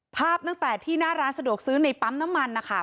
ภาพตั้งแต่ที่หน้าร้านสะดวกซื้อในปั๊มน้ำมันนะคะ